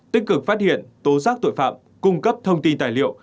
tích cực phát hiện tố giác tội phạm cung cấp thông tin tài liệu